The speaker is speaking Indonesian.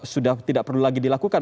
sudah tidak perlu lagi dilakukan